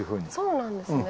そうなんですね。